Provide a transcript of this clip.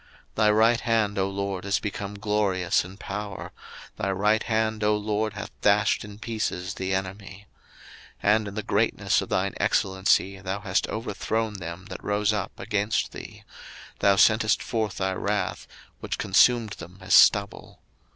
02:015:006 Thy right hand, O LORD, is become glorious in power: thy right hand, O LORD, hath dashed in pieces the enemy. 02:015:007 And in the greatness of thine excellency thou hast overthrown them that rose up against thee: thou sentest forth thy wrath, which consumed them as stubble.